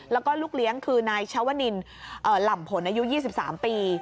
แล้วก็ลูกเลี้ยงคือนายชวนินหล่ำผลอายุ๒๓ปี